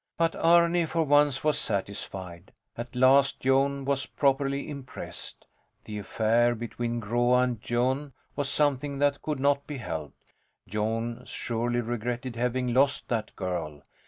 But Arni for once was satisfied. At last Jon was properly impressed. The affair between Groa and Jon was something that could not be helped. Jon surely regretted having lost that girl!